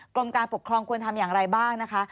กรมการปกครองควรทำอย่างไรบ้างนะคะ